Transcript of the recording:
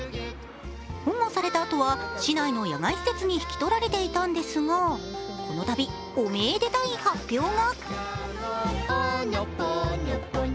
保護されたあとは市内の野外施設に引き取られていたんですがこのたび、おメでたい発表が。